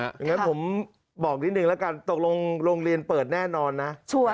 อย่างนั้นผมบอกนิดนึงแล้วกันตกลงโรงเรียนเปิดแน่นอนนะ